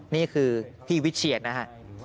นี่คือพี่วิเชียนนะฮะ